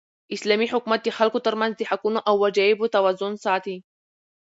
اسلامي حکومت د خلکو تر منځ د حقونو او وجایبو توازن ساتي.